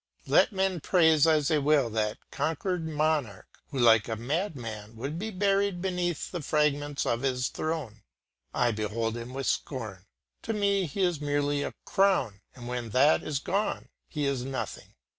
Let men praise as they will that conquered monarch who like a madman would be buried beneath the fragments of his throne; I behold him with scorn; to me he is merely a crown, and when that is gone he is nothing.